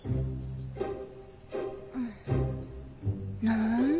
なんだ。